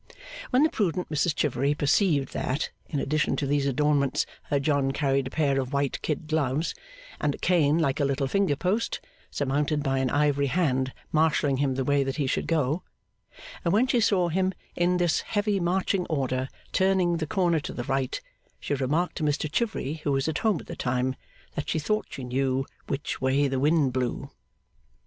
When the prudent Mrs Chivery perceived that in addition to these adornments her John carried a pair of white kid gloves, and a cane like a little finger post, surmounted by an ivory hand marshalling him the way that he should go; and when she saw him, in this heavy marching order, turn the corner to the right; she remarked to Mr Chivery, who was at home at the time, that she thought she knew which way the wind blew.